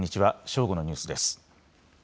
正午のニュースです。